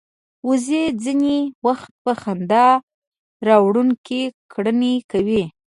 وزې ځینې وخت په خندا راوړونکې کړنې کوي